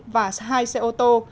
và hai xe ô tô